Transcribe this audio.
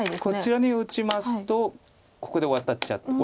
こちらに打ちますとここでワタっちゃう。